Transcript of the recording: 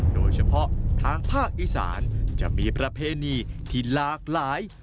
โดยเฉพาะทางภาคอีสานจะมีประเพณีที่หลากหลาย